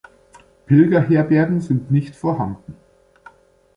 Pilgerherbergen sind nicht vorhanden.